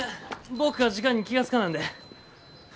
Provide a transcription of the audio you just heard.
僕が時間に気が付かなんで。